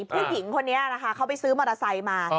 ผู้หญิงคนนี้นะคะเขาไปซื้อมอเตอร์ไซค์มา